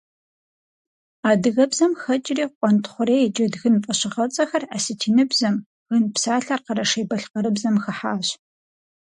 Адыгэбзэм хэкӀри «къуэнтхъурей», «джэдгын» фӀэщыгъэцӀэхэр асэтиныбзэм, «гын» псалъэр къэрэшей-балъкъэрыбзэм хыхьащ.